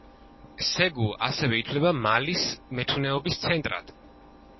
სეგუ ასევე ითვლება მალის მეთუნეობის ცენტრად.